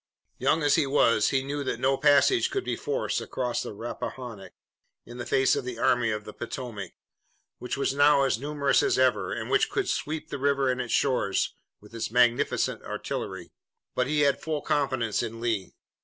Young as he was he knew that no passage could be forced across the Rappahannock in the face of the Army of the Potomac, which was now as numerous as ever, and which could sweep the river and its shores with its magnificent artillery. But he had full confidence in Lee.